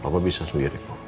papa bisa sendiri po